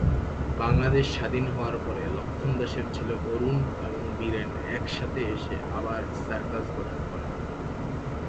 বাংলাদেশ স্বাধীন হওয়ার পরে লক্ষ্মণ দাসের ছেলে অরুণ এবং বীরেন একসাথে এসে আবার সার্কাস গঠন করেন।